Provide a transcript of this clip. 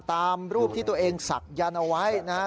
ตามรูปที่ตัวเองศักยันต์เอาไว้นะฮะ